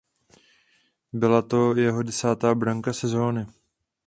Byla to jeho desátá branka sezóny.